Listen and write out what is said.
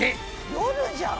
夜じゃん！